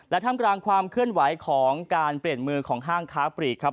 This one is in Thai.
ท่ามกลางความเคลื่อนไหวของการเปลี่ยนมือของห้างค้าปลีกครับ